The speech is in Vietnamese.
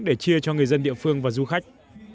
để chia cho người dân địa phương và du khách